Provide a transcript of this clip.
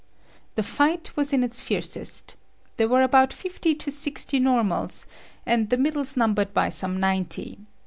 The fight was in its fiercest. There were about fifty to sixty normals, and the middles numbered by some ninety.